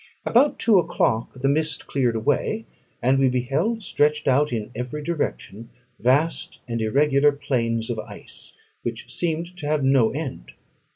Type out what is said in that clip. About two o'clock the mist cleared away, and we beheld, stretched out in every direction, vast and irregular plains of ice, which seemed to have no end.